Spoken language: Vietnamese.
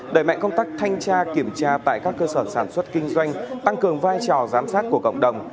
đẩy mạnh công tác thanh tra kiểm tra tại các cơ sở sản xuất kinh doanh tăng cường vai trò giám sát của cộng đồng